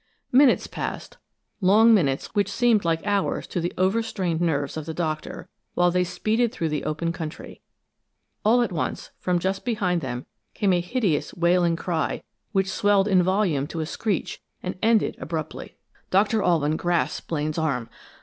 Minutes passed, long minutes which seemed like hours to the overstrained nerves of the Doctor, while they speeded through the open country. All at once, from just behind them came a hideous, wailing cry, which swelled in volume to a screech and ended abruptly. Doctor Alwyn grasped Blaine's arm.